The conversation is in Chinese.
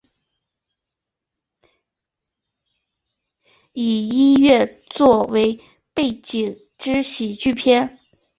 以医院作为背景之喜剧片。